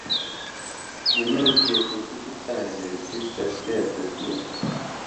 Nanyarukiye mu nshuti ishaje kuri Sitasiyo ya Tokiyo